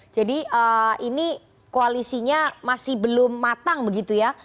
jadi ini koalisinya masih belum matang begitu ya